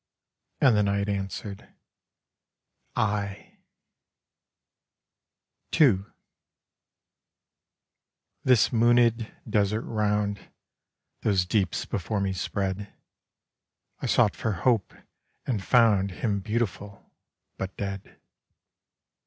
And the Night answered, 'Aye.' II This moonèd Desert round, Those deeps before me spread, I sought for Hope, and found Him beautiful, but dead.